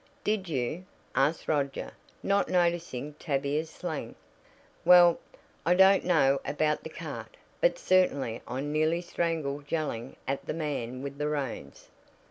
"Did you?" asked Roger, not noticing Tavia's slang. "Well, I don't know about the cart, but certainly I nearly strangled yelling at the man with the reins."